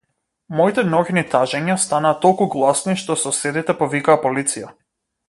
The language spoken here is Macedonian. Моите ноќни тажења станаа толку гласни што соседите повикаа полиција.